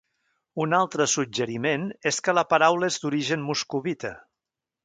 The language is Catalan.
Un altre suggeriment és que la paraula és d'origen moscovita.